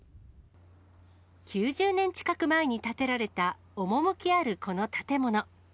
９０年近く前に建てられた趣あるこの建物。